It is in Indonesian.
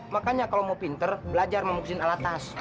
makanya kalau mau pinter belajar memuksin alat tas